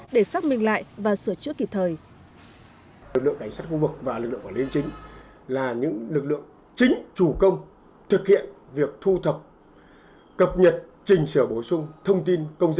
để xác minh lại và sửa chữa kịp thời